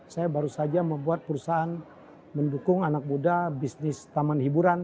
saya baru saja membuat perusahaan mendukung anak muda bisnis taman hiburan